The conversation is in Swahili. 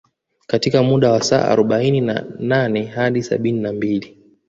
Katika muda wa saa arobaini na nane hadi sabini na mbili